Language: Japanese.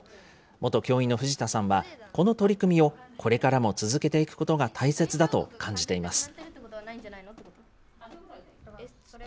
元教員の藤田さんは、この取り組みをこれからも続けていくことが大切だと感じています。